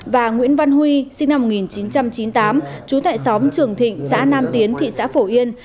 và nguyễn văn huy sinh năm một nghìn chín trăm chín mươi tám trú tại xóm trường thịnh xã nam tiến thị xã phổ yên